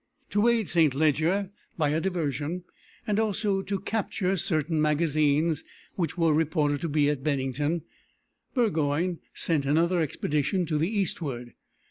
To aid St. Leger by a diversion, and also to capture certain magazines which were reported to be at Bennington, Burgoyne sent another expedition to the eastward.